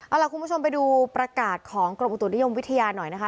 เอาล่ะคุณผู้ชมไปดูประกาศของกรมอุตุนิยมวิทยาหน่อยนะคะ